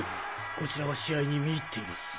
こちらは試合に見入っています。